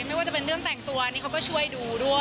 ไม่ว่าจะเป็นเรื่องแต่งตัวนี่เขาก็ช่วยดูด้วย